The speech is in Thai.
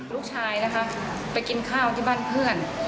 ลูกชายนะคะไปกินข้าวที่บ้านเพื่อน